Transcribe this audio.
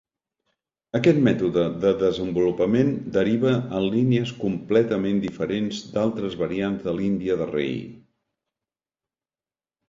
Aquest mètode de desenvolupament deriva en línies completament diferents d'altres variants de l'índia de rei.